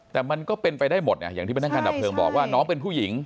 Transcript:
แต่มันก็เป็นไปได้หมดอย่างที่พนักงานดับเพลิงบอกว่าน้องเป็นผู้หญิง